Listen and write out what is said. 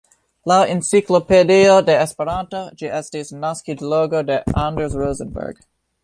Laŭ Enciklopedio de Esperanto, ĝi estis naskiĝloko de Anders Rosenberg.